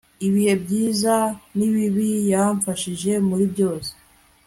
ibihe, ibyiza nibibi, yamfashije muri byose